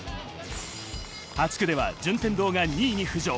８区では順天堂が２位に浮上。